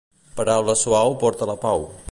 Paraula suau porta la pau.